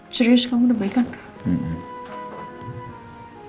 serius kamu udah baikan